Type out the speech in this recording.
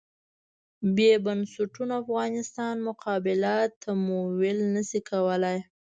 بې بنسټونو افغانستان مقابله تمویل نه شي کولای.